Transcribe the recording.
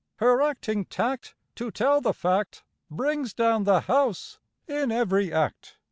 Her acting tact, To tell the fact, "Brings down the house" in every act.